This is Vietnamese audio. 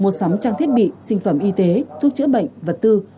mua sắm trang thiết bị sinh phẩm y tế thuốc chữa bệnh vật tư